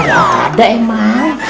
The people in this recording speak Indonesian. nggak ada emang